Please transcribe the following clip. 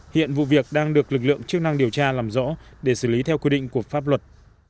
hiện vụ việc đang được lực lượng chức năng điều tra làm rõ để xử lý theo quy định của pháp luật